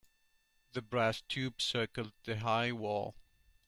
The brass tube circled the high wall.